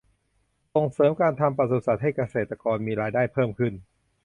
ส่งเสริมการทำปศุสัตว์ให้เกษตรกรมีรายได้เพิ่มขึ้น